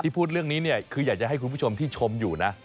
พูดเรื่องนี้เนี่ยคืออยากจะให้คุณผู้ชมที่ชมอยู่นะ